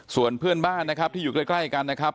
ส่วนเพื่อนบ้านนะครับที่อยู่ใกล้กันนะครับ